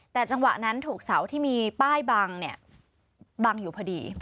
แต่จังหวะนั้นถูกเสาที่มีป้ายบังบังอยู่พอดี